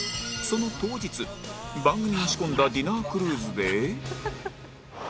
その当日番組が仕込んだディナークルーズで